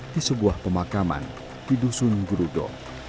di sebuah pemakaman di dusun gerudo